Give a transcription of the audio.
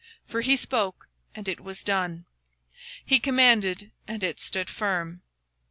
For he spake, and it was done; He commanded, and it stood fast.